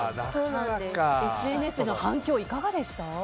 ＳＮＳでの反響はいかがでしたか？